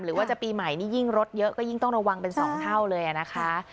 หรือว่าจะปีใหม่นี่ยิ่งรถเยอะก็ยิ่งต้องระวังเป็น๒เท่าเลยนะคะ